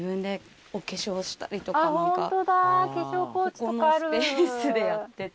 ここのスペースでやってて。